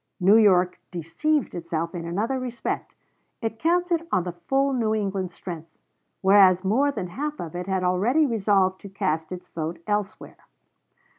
New York deceived itself in another respect: it counted on the full New England strength, whereas more than half of it had already resolved to cast its vote elsewhere.